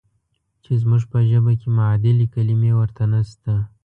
چې زموږ په ژبه کې معادلې کلمې ورته نشته.